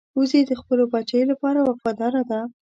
وزې د خپلو بچو لپاره وفاداره ده